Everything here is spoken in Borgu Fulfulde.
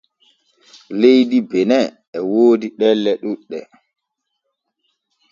Leydi Bene e woodi ɗelle ɗuuɗɗe.